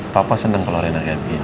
papa seneng kalau renda ngambil